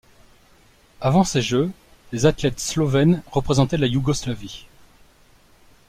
Avant ces jeux, les athlètes slovènes représentaient la Yougoslavie.